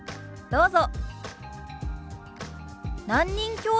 どうぞ。